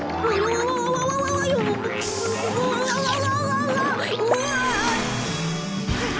うわ！